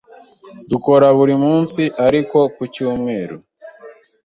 Dukora buri munsi ariko ku cyumweru.